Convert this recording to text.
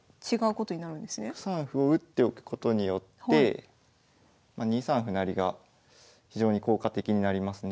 ６三歩を打っておくことによって２三歩成が非常に効果的になりますね。